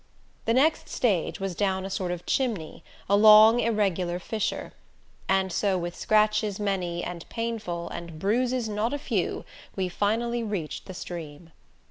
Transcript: The next stage was down a sort of "chimney" a long irregular fissure; and so with scratches many and painful and bruises not a few, we finally reached the stream.